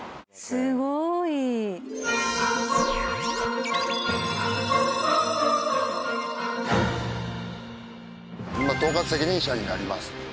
すごい。統括責任者になります。